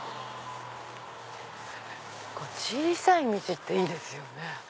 小さい道っていいですよね